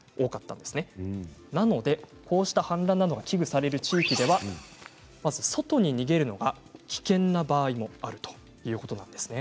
こうした氾濫などが危惧される地域ではまず外に逃げるのが危険な場合もあるということなんです。